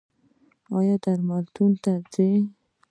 ایا درملتون ته ځئ؟